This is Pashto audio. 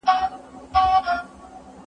ميرويس خان نيکه څنګه د جګړې پرېکړې کولي؟